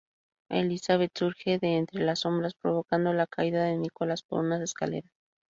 Elizabeth surge de entre las sombras, provocando la caída de Nicholas por unas escaleras.